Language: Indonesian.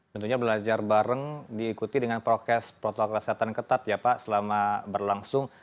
tentunya belajar bareng diikuti dengan protoklas protoklas kesehatan ketat ya pak selama berlangsung